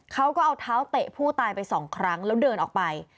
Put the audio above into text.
เขาก็เอาเท้าเตะผู้ตายไปสองครั้งแล้วเดินออกไป